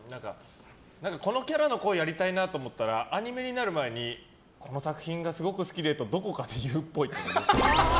このキャラの声やりたいなと思ったらアニメになる前にこの作品がすごく好きでとどこかで言うっぽい。